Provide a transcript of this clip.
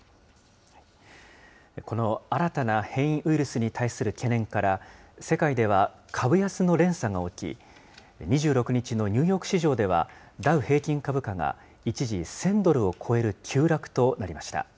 この新たな変異ウイルスに対する懸念から、世界では株安の連鎖が起き、２６日のニューヨーク市場では、ダウ平均株価が一時、１０００ドルを超える急落となりました。